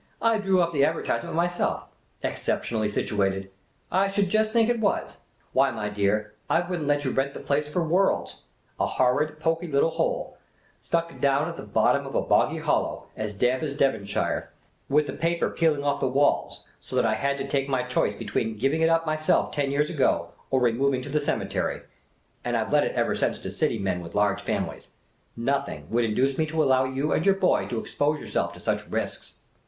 " I drew up the advertisement myself. Exceptionally situated ! I should just think it was ! Why, my dear, I would n't let you rent the place for worlds ; a horrid, poky little hole, stuck down in the bottom of a boggy hollow, as damp as Devonshire, with the paper 122 Miss Cayley's Adventures peeling off the walls, so that I had to take my choice between giving it up myself ten years ago or removing to the ceme tery; and I 've let it ever since to City men with large fami lies. Nothing would induce me to allow you and your boy to expose yourself to such risks."